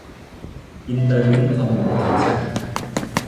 อินเตอร์ลิ้งค์ คอมมิวนิเคชั่น